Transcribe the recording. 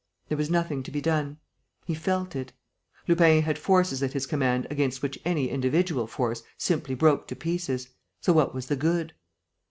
There was nothing to be done. He felt it. Lupin had forces at his command against which any individual force simply broke to pieces. So what was the good?